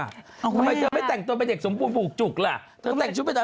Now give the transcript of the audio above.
ทำไมเธอไม่แต่งตัวเป็นเด็กสมบูรณผูกจุกล่ะเธอแต่งชุดเป็นอะไร